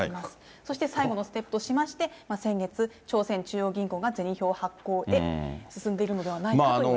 そして最後のステップとしまして、先月、朝鮮中央銀行が銭票を発行へ、進んでいるのではないかといわれています。